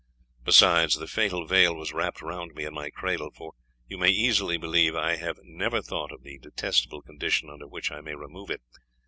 Besides, the fatal veil was wrapt round me in my cradle; for you may easily believe I have never thought of the detestable condition under which I may remove it.